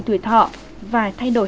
tuổi thọ và thay đổi